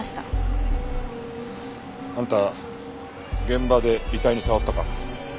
現場で遺体に触ったか？